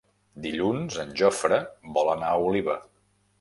Dilluns en Jofre vol anar a Oliva.